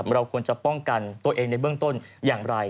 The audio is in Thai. เราควรจะป้องกันตัวเองในเบื้องต้นอย่างไร